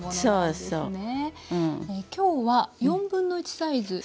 そうですね。